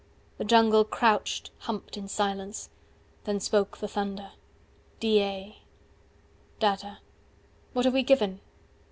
The jungle crouched, humped in silence. Then spoke the thunder DA 400 Datta: what have we given?